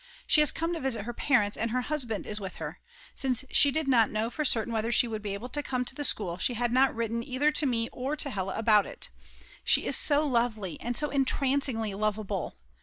She has come to visit her parents and her husband is with her; since she did not know for certain whether she would be able to come to the school she had not written either to me or to Hella about it. She is so lovely and so entrancingly loveable.